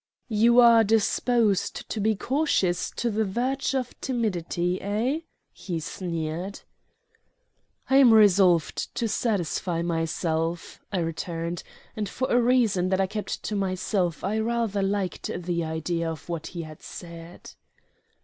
"You are disposed to be cautious to the verge of timidity, eh?" he sneered. "I am resolved to satisfy myself," I returned; and for a reason that I kept to myself I rather liked the idea of what he had said.